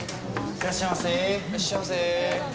いらっしゃいませ。